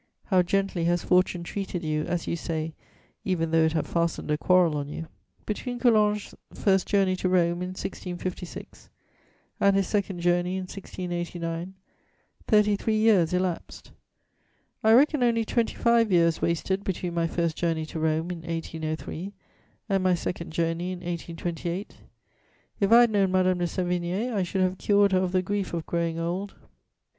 How gently has fortune treated you, as you say, even though it have fastened a quarrel on you!!!" Between Coulanges' first journey to Rome, in 1656, and his second journey, in 1689, thirty three years elapsed: I reckon only twenty five years wasted between my first journey to Rome, in 1803, and my second journey, in 1828. If I had known Madame de Sévigné, I should have cured her of the grief of growing old.